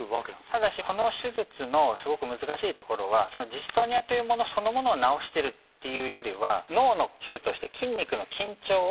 ただしこの手術のすごく難しいところはジストニアというものそのものを治してるっていうよりは脳の手術をして。